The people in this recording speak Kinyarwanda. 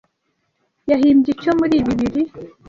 yahimbye icyo muri bibiri